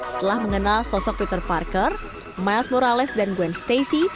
setelah mengenal sosok peter parker miles morales dan gwen stacy